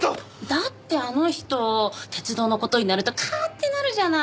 だってあの人鉄道の事になるとカーッてなるじゃない。